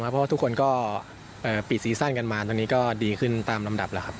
เพราะว่าทุกคนก็ปิดซีซั่นกันมาตอนนี้ก็ดีขึ้นตามลำดับแล้วครับ